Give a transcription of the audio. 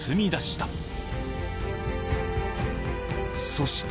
［そして］